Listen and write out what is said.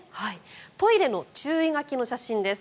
トイレの注意書きの写真です。